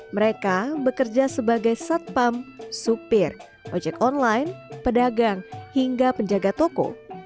mereka bekerja sebagai satpam supir ojek online pedagang hingga penjaga toko